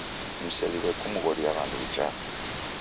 Mseliwe kumghoria W'andu wichaa.